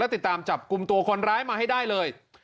ติดตามจับกลุ่มตัวคนร้ายมาให้ได้เลย